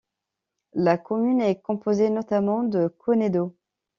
La commune est composée notamment de Caunedo.